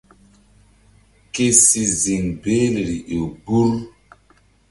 Ke si ziŋ behleri ƴo gbur.